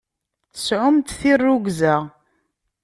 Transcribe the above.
Sɛumt tirrugza!